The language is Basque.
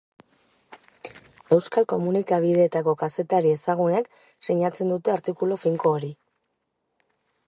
Euskal komunikabideetako kazetari ezagunek sinatzen dute artikulu finko hori.